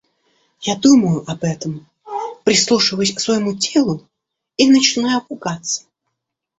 Я думаю об этом, прислушиваюсь к своему телу и начинаю пугаться.